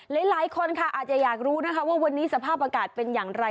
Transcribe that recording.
หลายคนค่ะอาจจะอยากรู้นะคะว่าวันนี้สภาพอากาศเป็นอย่างไร